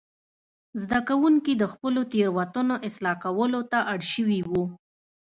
زده کوونکي د خپلو تېروتنو اصلاح کولو ته اړ شوي وو.